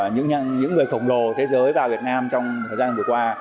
những người khổng lồ thế giới vào việt nam trong thời gian vừa qua